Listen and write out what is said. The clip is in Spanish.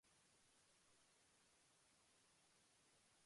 Alza, Chile, sin mancha la frente;